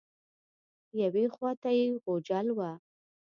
یوې خوا ته یې غوجل وه.